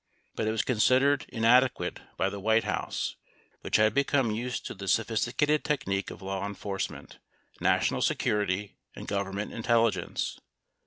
1218 it was considered inadequate by the White House which had become used to the sophisticated techniques of law enforcement, national security, and Government intelligence.